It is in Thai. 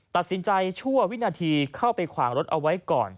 ชั่ววินาทีเข้าไปขวางรถเอาไว้ก่อน